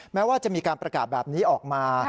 แม้ว่าจะมีการประกาศแบบนี้ออกมา